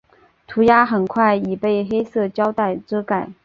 涂鸦很快已被黑色胶袋遮盖。